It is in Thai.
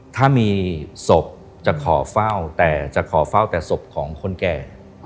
ถ้ามีศพจะขอเฝ้าแต่ศพของคนแก่